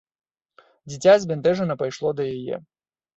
Дзіця збянтэжана пайшло да яе.